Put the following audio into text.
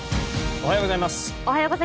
おはようございます。